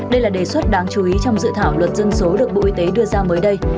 đây là đề xuất đáng chú ý trong dự thảo luật dân số được bộ y tế đưa ra mới đây